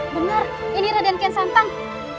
benar ini raden kian santang